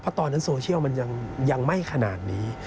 เพราะตอนนั้นโซเชียลมันยังไม่ขนาดนี้